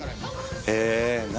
え何？